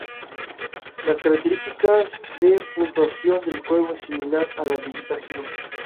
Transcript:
Las características de puntuación del juego es similar a la de "Guitar Hero".